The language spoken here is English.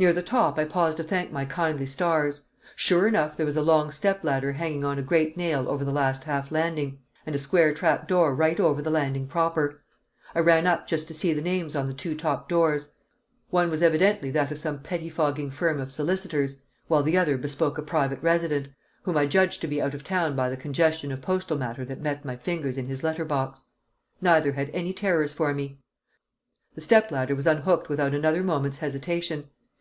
Near the top I paused to thank my kindly stars; sure enough there was a long step ladder hanging on a great nail over the last half landing, and a square trap door right over the landing proper! I ran up just to see the names on the two top doors; one was evidently that of some pettifogging firm of solicitors, while the other bespoke a private resident, whom I judged to be out of town by the congestion of postal matter that met my fingers in his letter box. Neither had any terrors for me. The step ladder was unhooked without another moment's hesitation.